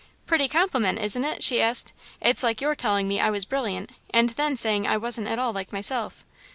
"Pretty compliment, isn't it?" she asked. "It's like your telling me I was brilliant and then saying I wasn't at all like myself."